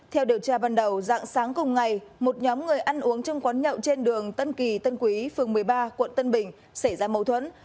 theo điều tra ban đầu dạng sáng cùng ngày một nhóm người ăn uống trong quán nhậu trên đường tân kỳ tân quý phường một mươi ba quận tân bình xảy ra mâu thuẫn